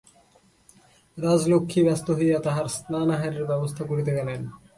রাজলক্ষ্মী ব্যস্ত হইয়া তাঁহার স্নানাহারের ব্যবস্থা করিতে গেলেন।